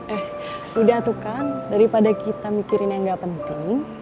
eh udah tuh kan daripada kita mikirin yang gak penting